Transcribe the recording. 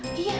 gitu sih ma